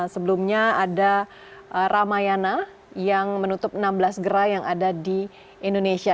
sebelumnya ada ramayana yang menutup enam belas gerai yang ada di indonesia